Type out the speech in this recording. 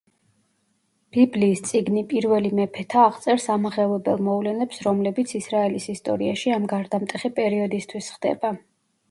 ბიბლიის წიგნი „პირველი მეფეთა“ აღწერს ამაღელვებელ მოვლენებს, რომლებიც ისრაელის ისტორიაში ამ გარდამტეხი პერიოდისთვის ხდება.